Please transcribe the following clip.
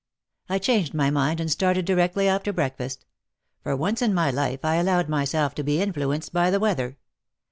" I changed my mind and started directly after breakfast. For once in my life I allowed myself to be influenced by the weather.